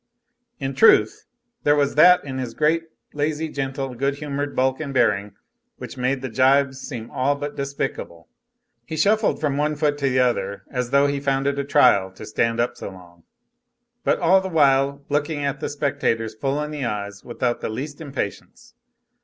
In truth, there was that in his great, lazy, gentle, good humored bulk and bearing which made the gibes seem all but despicable. He shuffled from one foot to the other as though he found it a trial to stand up so long, but all the while looking the spectators full in the eyes without the least impatience.